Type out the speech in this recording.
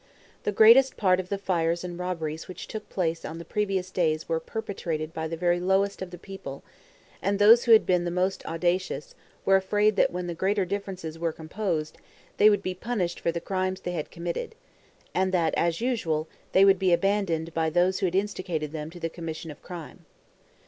The greatest part of the fires and robberies which took place on the previous days were perpetrated by the very lowest of the people; and those who had been the most audacious, were afraid that when the greater differences were composed, they would be punished for the crimes they had committed; and that as usual, they would be abandoned by those who had instigated them to the commission of crime.